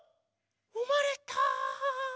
うまれた！